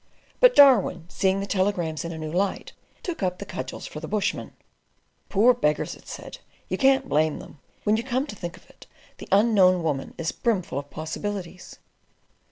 But Darwin, seeing the telegrams in a new light, took up the cudgels for the bushmen. "Poor beggars," it said, "you can't blame them. When you come to think of it, the Unknown Woman is brimful of possibilities."